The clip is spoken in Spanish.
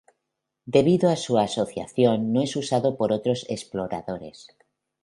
Debido a su asociación no es usado por otros exploradores.